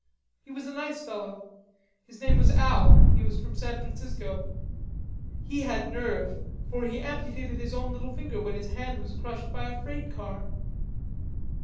He was a nice fellow. His name was Al, he was from San Francisco. He had nerve, for he amputated his own little finger when his hand was crushed by a freight car."